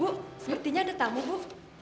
bu sepertinya ada tamu bu